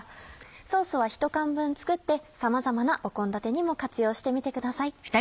ソースは１缶分作ってさまざまな献立にも活用してみてください。